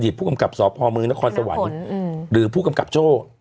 ผู้กำกับสพมนครสวรรค์หรือผู้กำกับโจ้